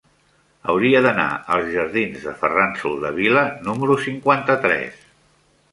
Hauria d'anar als jardins de Ferran Soldevila número cinquanta-tres.